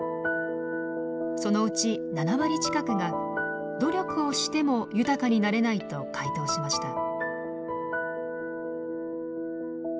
そのうち７割近くが努力をしても豊かになれないと回答しました。